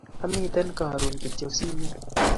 Amiten karun kityok sinyon